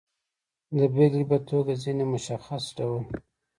د بېلګې په توګه، ځینې مشخص ډول